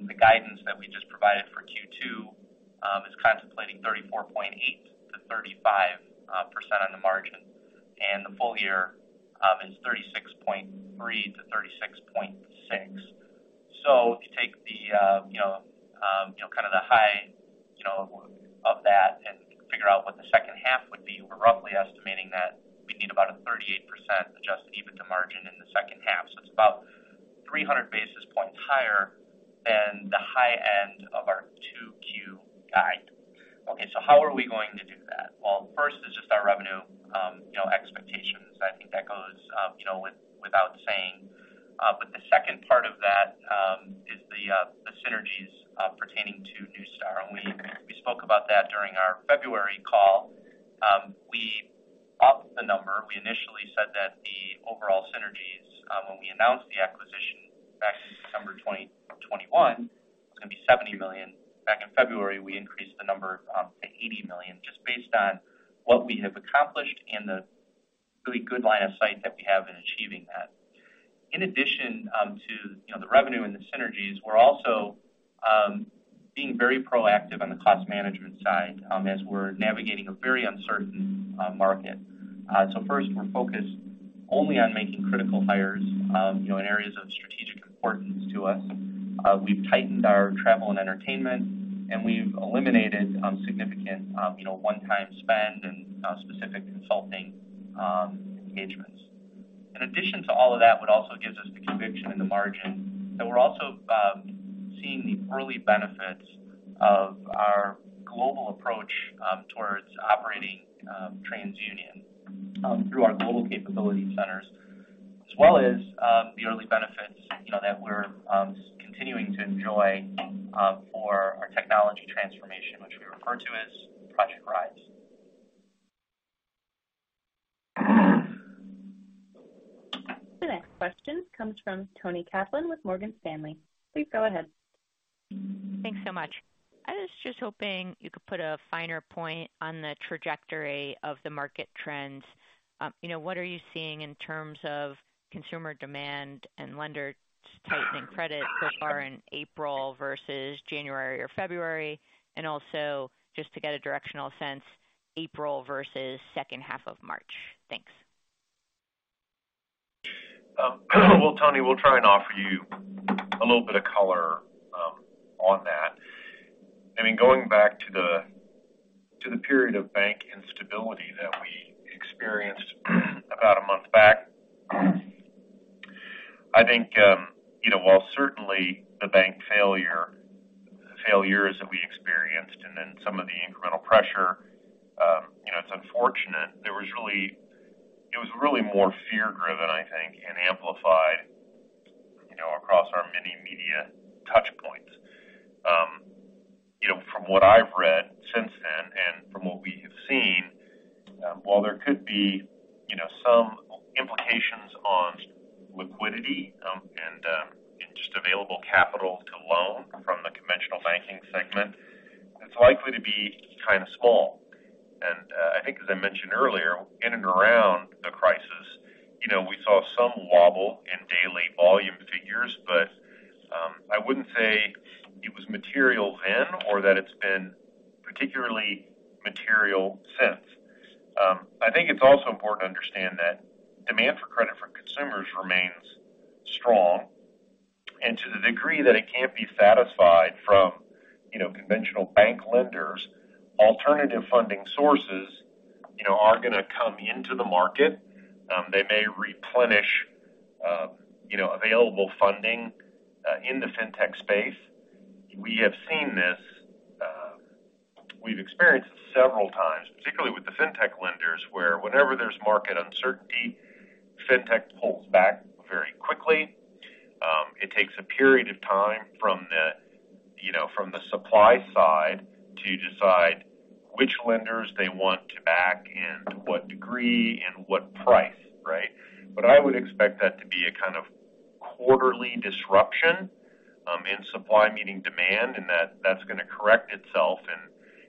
The guidance that we just provided for Q2 is contemplating 34.8%-35% on the margin. The full year is 36.3%-36.6%. If you take the, you know, kind of the high, you know, of that and figure out what the second half would be, we're roughly estimating that we need about a 38% Adjusted EBITDA margin in the second half. It's about 300 basis points higher than the high end of our 2Q guide. Okay, how are we going to do that? First it's just our revenue, you know, expectations. I think that goes, you know, with-without saying. The second part of that is the synergies pertaining to Neustar. We spoke about that during our February call. We upped the number. We initially said that the overall synergies, when we announced the acquisition back in December 2021, was gonna be $70 million. Back in February, we increased the number to $80 million, just based on what we have accomplished and the really good line of sight that we have in achieving that. In addition, to, you know, the revenue and the synergies, we're also being very proactive on the cost management side, as we're navigating a very uncertain market. First we're focused only on making critical hires, you know, in areas of strategic importance to us. We've tightened our travel and entertainment, and we've eliminated significant, you know, one-time spend and specific consulting engagements. In addition to all of that, what also gives us the conviction in the margin that we're also seeing the early benefits of. Approach towards operating TransUnion through our global capability centers, as well as the early benefits, you know, that we're continuing to enjoy for our technology transformation, which we refer to as Project Rise. The next question comes from Toni Kaplan with Morgan Stanley. Please go ahead. Thanks so much. I was just hoping you could put a finer point on the trajectory of the market trends. You know, what are you seeing in terms of consumer demand and lender tightening credit so far in April versus January or February? Also just to get a directional sense, April versus second half of March. Thanks. Well, Toni, we'll try and offer you a little bit of color on that. I mean, going back to the period of bank instability that we experienced about a month back, I think, you know, while certainly the bank failures that we experienced and then some of the incremental pressure, you know, it's unfortunate. It was really more fear-driven, I think, and amplified, you know, across our many media touch points. You know, from what I've read since then and from what we have seen, while there could be, you know, some implications on liquidity, and just available capital to loan from the conventional banking segment, it's likely to be kind of small. I think, as I mentioned earlier, in and around the crisis, you know, we saw some wobble in daily volume figures, but I wouldn't say it was material then or that it's been particularly material since. I think it's also important to understand that demand for credit from consumers remains strong. To the degree that it can't be satisfied from, you know, conventional bank lenders, alternative funding sources, you know, are gonna come into the market. They may replenish, you know, available funding, in the FinTech space. We have seen this. We've experienced this several times, particularly with the FinTech lenders, where whenever there's market uncertainty, FinTech pulls back very quickly. It takes a period of time from the, you know, from the supply side to decide which lenders they want to back and to what degree and what price, right? I would expect that to be a kind of quarterly disruption in supply meeting demand, and that's gonna correct itself, and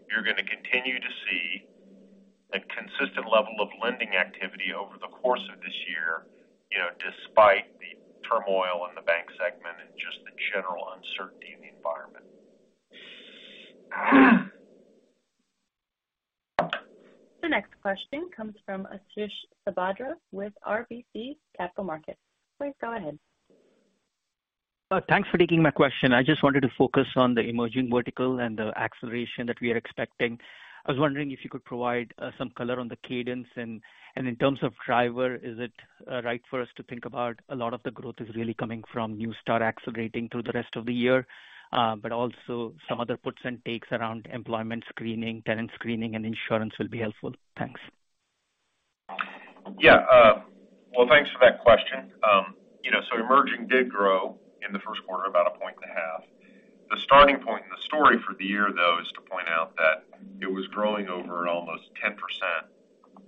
you're gonna continue to see a consistent level of lending activity over the course of this year, you know, despite the turmoil in the bank segment and just the general uncertainty in the environment. The next question comes from Ashish Sabadra with RBC Capital Markets. Please go ahead. Thanks for taking my question. I just wanted to focus on the emerging vertical and the acceleration that we are expecting. I was wondering if you could provide some color on the cadence, and in terms of driver, is it right for us to think about a lot of the growth is really coming from Neustar accelerating through the rest of the year? Also some other puts and takes around employment screening, tenant screening, and insurance will be helpful. Thanks. Well, thanks for that question. You know, emerging did grow in the first quarter about a point and a half. The starting point in the story for the year, though, is to point out that it was growing over at almost 10%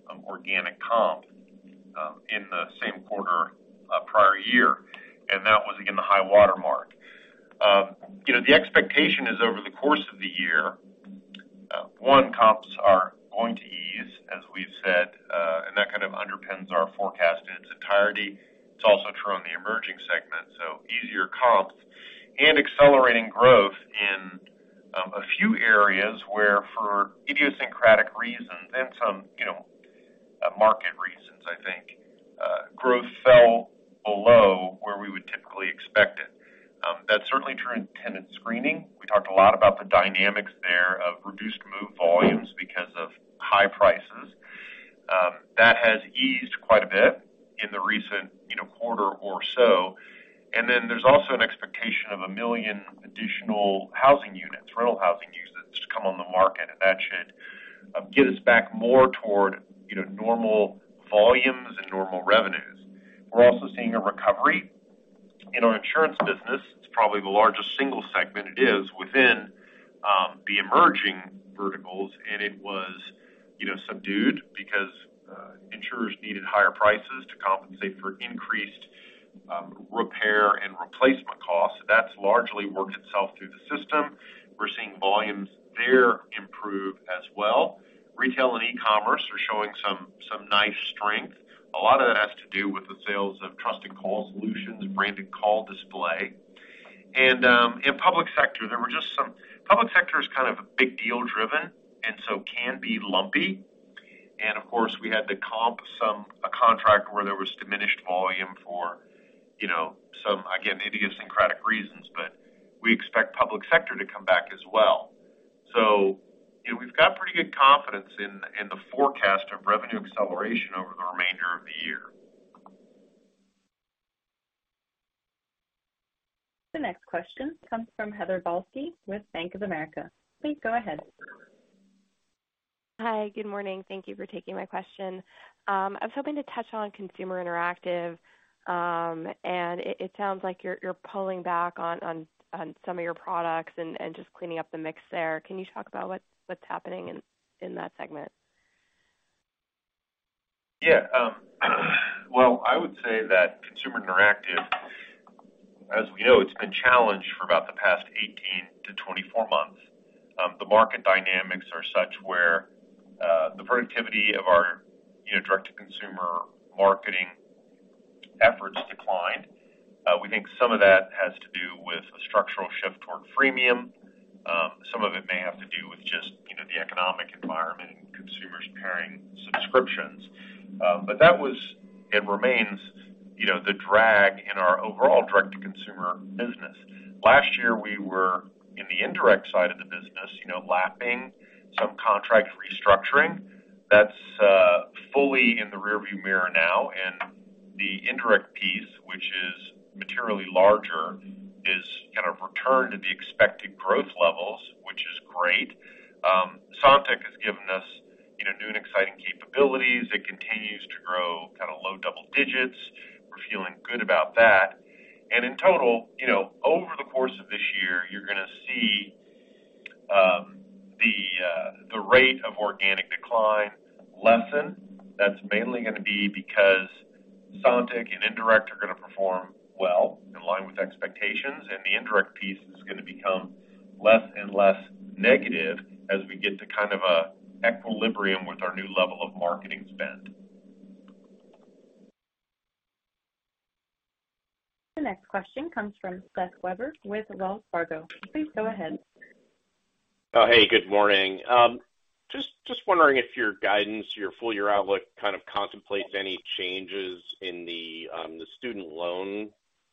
of organic comp in the same quarter prior year, and that was, again, the high watermark. You know, the expectation is over the course of the year, one, comps are going to ease, as we've said, and that kind of underpins our forecast in its entirety. It's also true in the emerging segment. Easier comps and accelerating growth in a few areas where for idiosyncratic reasons and some, you know, market reasons, I think, growth fell below where we would typically expect it. That's certainly true in tenant screening. We talked a lot about the dynamics there of reduced move volumes because of high prices. That has eased quite a bit in the recent, you know, quarter or so. There's also an expectation of 1 million additional housing units, rental housing units to come on the market, and that should get us back more toward, you know, normal volumes and normal revenues. We're also seeing a recovery in our insurance business. It's probably the largest single segment it is within the emerging verticals. It was, you know, subdued because insurers needed higher prices to compensate for increased repair and replacement costs. That's largely worked itself through the system. We're seeing volumes there improve as well. Retail and e-commerce are showing some nice strength. A lot of that has to do with the sales of Trusted Call Solutions and Branded Call Display. In public sector, there were just. Public sector is kind of a big deal driven and so can be lumpy. Of course, we had to comp a contract where there was diminished volume for, you know, some, again, idiosyncratic reasons, but we expect public sector to come back as well. You know, we've got pretty good confidence in the forecast of revenue acceleration over the remainder. The next question comes from Heather Balsky with Bank of America. Please go ahead. Hi, good morning. Thank you for taking my question. I was hoping to touch on Consumer Interactive. It sounds like you're pulling back on some of your products and just cleaning up the mix there. Can you talk about what's happening in that segment? Yeah. Well, I would say that Consumer Interactive, as we know, it's been challenged for about the past 18-24 months. The market dynamics are such where the productivity of our, you know, direct-to-consumer marketing efforts declined. We think some of that has to do with a structural shift toward freemium. Some of it may have to do with just, you know, the economic environment and consumers paring subscriptions. But that was and remains, you know, the drag in our overall direct-to-consumer business. Last year, we were in the indirect side of the business, you know, lapping some contract restructuring. That's fully in the rearview mirror now. The indirect piece, which is materially larger, is kind of returned to the expected growth levels, which is great. Sontiq has given us, you know, new and exciting capabilities. It continues to grow kind of low double digits. We're feeling good about that. In total, you know, over the course of this year, you're gonna see the rate of organic decline lessen. That's mainly gonna be because Sontiq and indirect are gonna perform well in line with expectations, and the indirect piece is gonna become less and less negative as we get to kind of a equilibrium with our new level of marketing spend. The next question comes from Seth Weber with Wells Fargo. Please go ahead. Oh, hey, good morning. just wondering if your guidance, your full year outlook kind of contemplates any changes in the student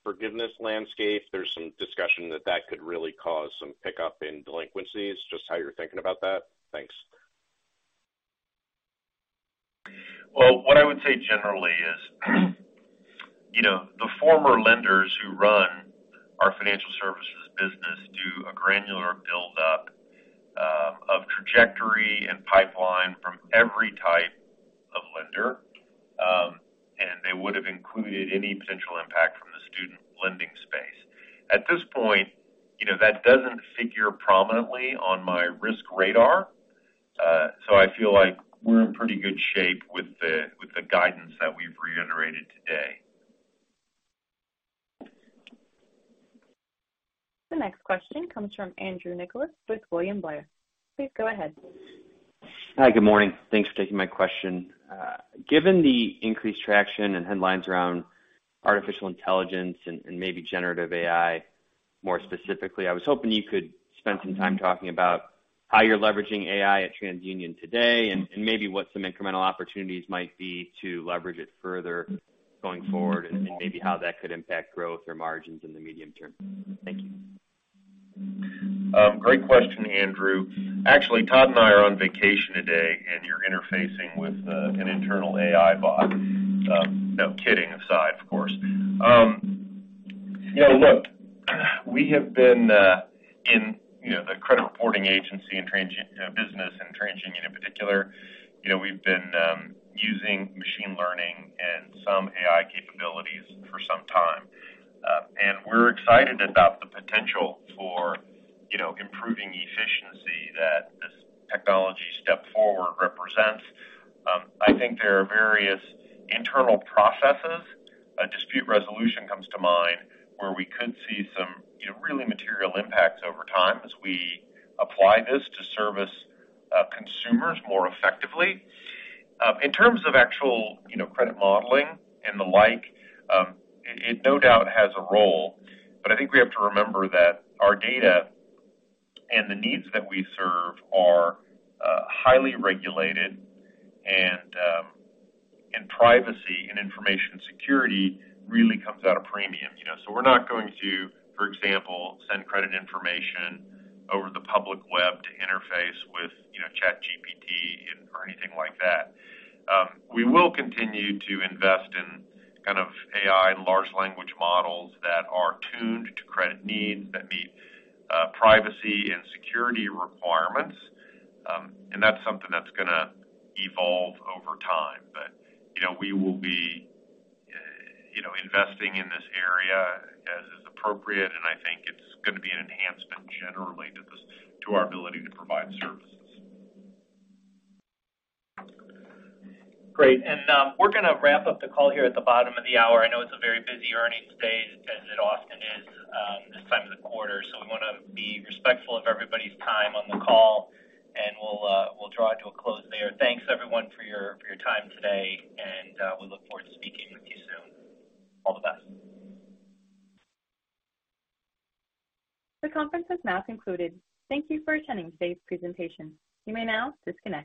loan forgiveness landscape. There's some discussion that could really cause some pickup in delinquencies. Just how you're thinking about that. Thanks. Well, what I would say generally is, you know, the former lenders who run our financial services business do a granular build up of trajectory and pipeline from every type of lender. They would have included any potential impact from the student lending space. At this point, you know, that doesn't figure prominently on my risk radar. I feel like we're in pretty good shape with the guidance that we've reiterated today. The next question comes from Andrew Nicholas with William Blair. Please go ahead. Hi. Good morning. Thanks for taking my question. Given the increased traction and headlines around artificial intelligence and maybe generative AI more specifically, I was hoping you could spend some time talking about how you're leveraging AI at TransUnion today and maybe what some incremental opportunities might be to leverage it further going forward and maybe how that could impact growth or margins in the medium term. Thank you. Great question, Andrew. Actually, Todd and I are on vacation today, and you're interfacing with an internal AI bot. No kidding aside, of course. You know, look, we have been in, you know, the credit reporting agency and TransUnion business and TransUnion in particular. You know, we've been using machine learning and some AI capabilities for some time. We're excited about the potential for, you know, improving efficiency that this technology step forward represents. I think there are various internal processes, dispute resolution comes to mind, where we could see some, you know, really material impacts over time as we apply this to service consumers more effectively. In terms of actual, you know, credit modeling and the like, it no doubt has a role, but I think we have to remember that our data and the needs that we serve are highly regulated, and privacy and information security really comes at a premium. You know, we're not going to, for example, send credit information over the public web to interface with, you know, ChatGPT or anything like that. We will continue to invest in kind of AI and large language models that are tuned to credit needs that meet privacy and security requirements. And that's something that's gonna evolve over time. You know, we will be, you know, investing in this area as is appropriate, and I think it's gonna be an enhancement generally to our ability to provide services. Great. We're gonna wrap up the call here at the bottom of the hour. I know it's a very busy earnings day, as it often is, this time of the quarter. We wanna be respectful of everybody's time on the call, and we'll draw it to a close there. Thanks everyone for your time today and we look forward to speaking with you soon. All the best. The conference is now concluded. Thank you for attending today's presentation. You may now disconnect.